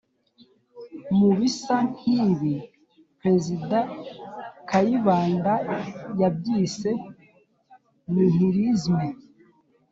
mu bisa nk' ibi president kayibanda yabyise ''nihilisme''.